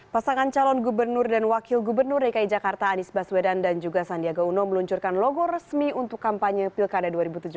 pasangan calon gubernur dan wakil gubernur dki jakarta anies baswedan dan juga sandiaga uno meluncurkan logo resmi untuk kampanye pilkada dua ribu tujuh belas